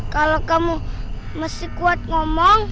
kalau kamu masih kuat ngomong